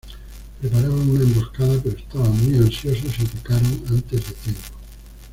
Preparaban una emboscada, pero estaban muy ansiosos y atacaron antes de tiempo.